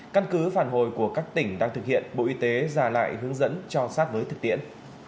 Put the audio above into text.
căn cứ phản hồi của các tỉnh đang thực hiện bộ y tế giả lại hướng dẫn cho sát với thực tiễn